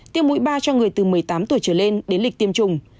tiêm mũi ba cho người từ một mươi tám tuổi trở lên đến lịch tiêm chủng